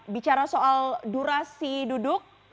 bicara soal durasi duduk